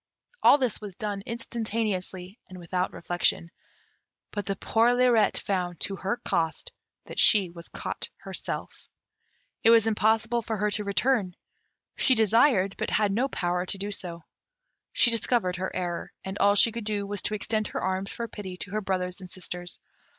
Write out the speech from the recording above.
All this was done instantaneously, and without reflection; but the poor Lirette found, to her cost, that she was caught herself. It was impossible for her to return; she desired, but had no power to do so. She discovered her error, and all she could do was to extend her arms for pity to her brothers and sisters.